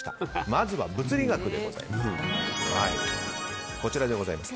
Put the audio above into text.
まずは物理学でございます。